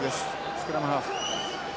スクラムハーフ。